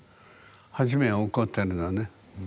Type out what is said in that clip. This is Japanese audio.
初めは怒ってるのね。